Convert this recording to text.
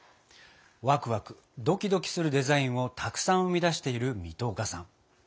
ワクワクドキドキするデザインをたくさん生み出している水戸岡さん。